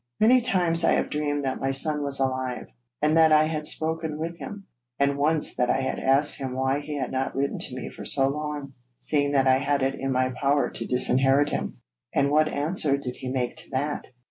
'Many times I have dreamed that my son was alive, and that I had spoken with him, and once that I had asked him why he had not written to me for so long, seeing that I had it in my power to disinherit him.' 'And what answer did he make to that?'